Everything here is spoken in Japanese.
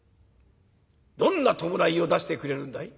どんな葬式を出してくれるんだい？」。